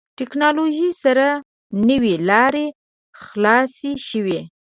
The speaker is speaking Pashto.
ټکنالوژي سره نوې لارې خلاصې شوې.